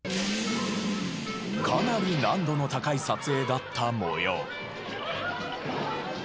かなり難度の高い撮影だった模様。